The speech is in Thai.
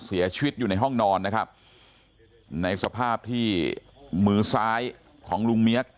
เสียชีวิตอยู่ในห้องนอนนะครับในสภาพที่มือซ้ายของลุงเมียก